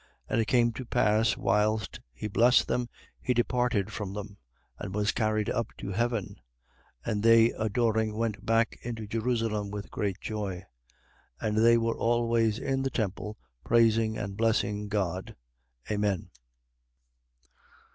24:51. And it came to pass, whilst he blessed them, he departed from them and was carried up to heaven. 24:52. And they adoring went back into Jerusalem with great joy. 24:53. And they were always in the temple, praising and blessing God. Amen.